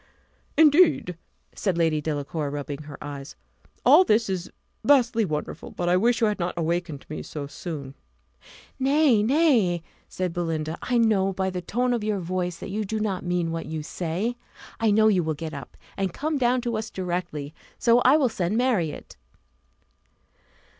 "Indeed!" said Lady Delacour, rubbing her eyes. "All this is vastly wonderful; but I wish you had not awakened me so soon." "Nay, nay," said Belinda, "I know by the tone of your voice, that you do not mean what you say; I know you will get up, and come down to us directly so I will send Marriott."